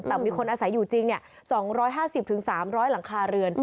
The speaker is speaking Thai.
แต่มีคนอาศัยอยู่จริง๒๕๐๓๐๐หลังคาเรือน